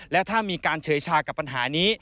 และถ้ามีการเฉยชากับปัญหานี้